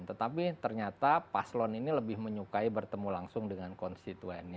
tetapi ternyata paslon ini lebih menyukai bertemu langsung dengan konstituennya